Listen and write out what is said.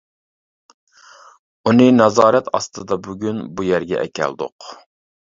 ئۇنى نازارەت ئاستىدا بۈگۈن بۇ يەرگە ئەكەلدۇق.